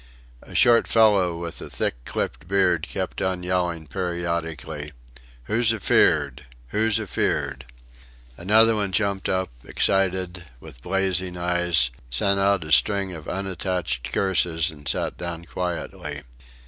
A short fellow with a thick clipped beard kept on yelling periodically: "Who's afeard? Who's afeard?" Another one jumped up, excited, with blazing eyes, sent out a string of unattached curses and sat down quietly.